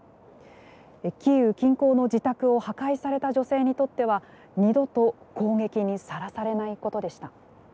キーウ近郊の自宅を破壊された女性にとっては二度と攻撃にさらされないことでした。